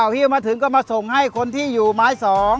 เฮียมาถึงก็มาส่งให้คนที่อยู่ไม้๒